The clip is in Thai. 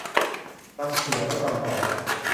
เสียกำแล้วซ้ำกอบ